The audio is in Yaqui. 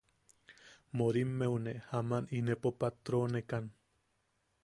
Morimmeune aman inepo patronekan.